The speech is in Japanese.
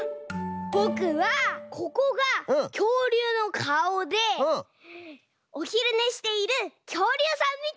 ぼくはここがきょうりゅうのかおでおひるねしているきょうりゅうさんみたい！